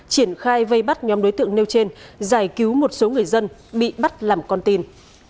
triển khai vây bắt nhóm đối tượng nêu trên giải cứu một số người dân bị bắt làm con tin